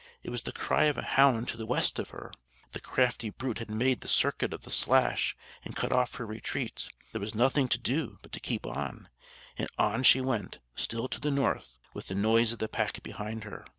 It was the cry of a hound to the west of her. The crafty brute had made the circuit of the slash, and cut off her retreat. There was nothing to do but to keep on; and on she went, still to the north, with the noise of the pack behind her.